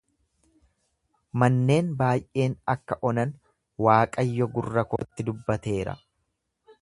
Manneen baay'een akka onan Waaqayyo gurra kootti dubbateera.